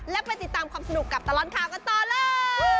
และไปติดตามความสนุกกับตลอดข่าวกันต่อเลย